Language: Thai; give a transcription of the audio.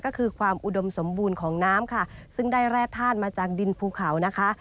ก็คือความอุดมสมบูรณ์ของน้ำค่ะซึ่งได้แร่ธาตุมาจากดินภูเขานะคะ